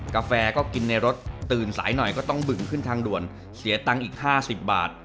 กาแฟก็กินในรถตื่นสายหน่อยก็ต้องบึงขึ้นทางด่วนเสียตังค์อีก๕๐บาท